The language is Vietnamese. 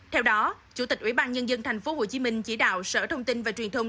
theo đó chủ tịch ủy ban nhân dân tp hcm chỉ đạo sở thông tin và truyền thông